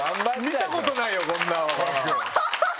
見たことないよこんな若林くん。